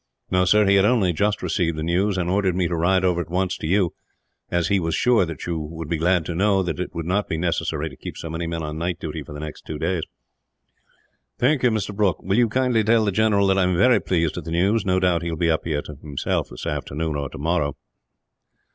"No, sir; he had only just received the news, and ordered me to ride over at once to you, as he was sure that you would be glad to know that it would not be necessary to keep so many men on night duty, for the next two days." "Thank you, Mr. Brooke. Will you kindly tell the general that I am very pleased at the news? No doubt he will be up here, himself, this afternoon or tomorrow."